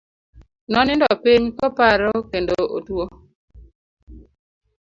Nonindo piny koparo kendo otuo.